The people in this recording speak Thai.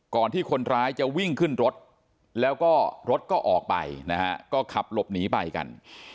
ที่คนร้ายจะวิ่งขึ้นรถแล้วก็รถก็ออกไปนะฮะก็ขับหลบหนีไปกัน